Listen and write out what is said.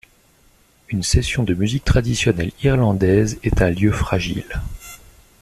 Une session de musique traditionnelle irlandaise est un lieu fragile.